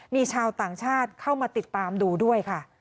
มีชาวต่างชาติเข้ามาติดตามดูด้วยค่ะ